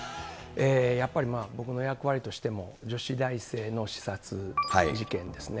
やっぱり僕の役割としても、女子大生の刺殺事件ですね。